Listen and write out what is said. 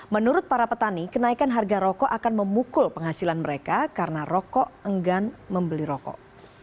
menurut para petani kenaikan harga rokok akan memukul penghasilan mereka karena rokok enggan membeli rokok